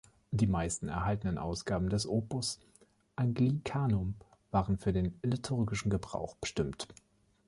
Die meisten erhaltenen Ausgaben des Opus Anglicanum waren für den liturgischen Gebrauch bestimmt.